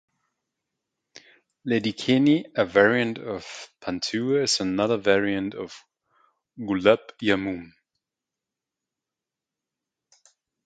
Ledikeni, a variation of Pantua, is another variant of "gulab jamun".